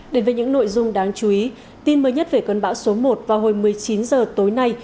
đến với những nội dung đáng chú ý tin mới nhất về cơn bão số một vào hồi một mươi chín h tối nay